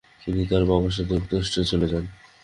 তিনি তার বাবার সাথে যুক্তরাষ্ট্রে চলে যান।